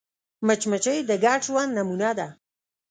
مچمچۍ د ګډ ژوند نمونه ده